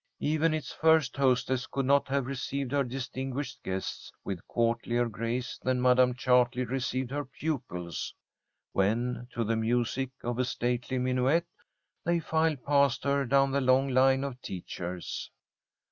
Even its first hostess could not have received her distinguished guests with courtlier grace than Madam Chartley received her pupils, when, to the music of a stately minuet, they filed past her down the long line of teachers.